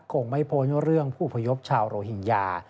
คงไม่พ้นเรื่องผู้พยพชาวโรฮิงญา